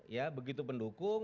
ya begitu pendukung